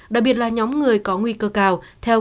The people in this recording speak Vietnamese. đặc biệt là nhóm người có nguy cơ cao